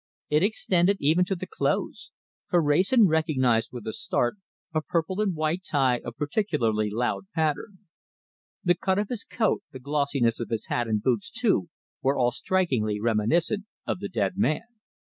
It extended even to the clothes, for Wrayson recognized with a start a purple and white tie of particularly loud pattern. The cut of his coat, the glossiness of his hat and boots, too, were all strikingly reminiscent of the dead man.